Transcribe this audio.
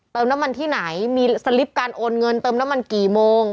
น้ำมันที่ไหนมีสลิปการโอนเงินเติมน้ำมันกี่โมง